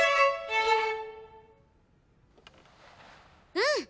うん！